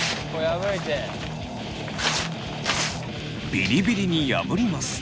ビリビリに破ります。